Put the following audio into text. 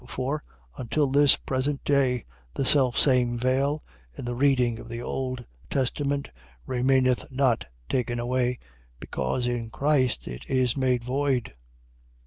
For, until this present day, the selfsame veil, in the reading of the old testament, remaineth not taken away (because in Christ it is made void).